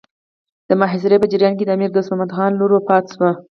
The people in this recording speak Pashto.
د محاصرې په جریان کې د امیر دوست محمد خان لور وفات شوه.